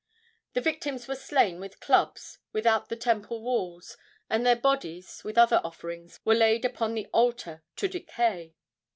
The victims were slain with clubs without the temple walls, and their bodies, with other offerings, were laid upon the altar to decay.